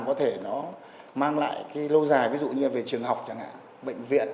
có thể nó mang lại cái lâu dài ví dụ như về trường học chẳng hạn bệnh viện